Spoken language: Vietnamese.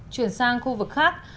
chuyển sang khu vực khác